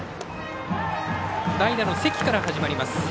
代打の関から始まります。